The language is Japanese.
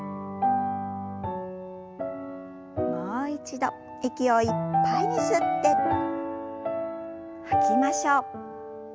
もう一度息をいっぱいに吸って吐きましょう。